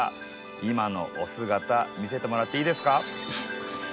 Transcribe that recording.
今のお姿見せてもらっていいですか？